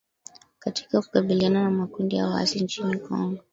katika kukabiliana na makundi ya waasi nchini Kongo